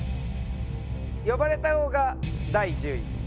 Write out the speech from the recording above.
呼ばれた方が第１０位。